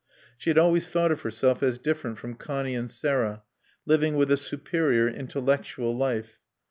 She had always thought of herself as different from Connie and Sarah, living with a superior, intellectual life.